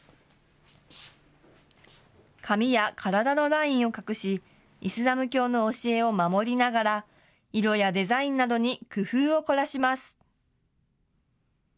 髪や体のラインを隠しイスラム教の教えを守りながら色やデザインなどに工夫を凝らします。